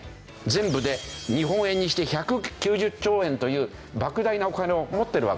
全部で日本円にして１９０兆円という莫大なお金を持ってるわけですね。